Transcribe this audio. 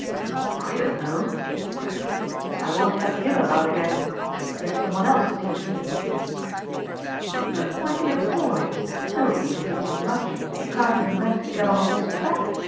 "I don't know," he said. "But I won't have him about again. I'll get some one else to teach me." "But, my dear boy, nobody can teach you much if you can't even manage to get on a horse's back.